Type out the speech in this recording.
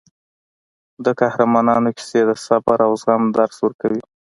د قهرمانانو کیسې د صبر او زغم درس ورکوي.